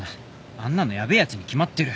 あんなのヤベえやつに決まってる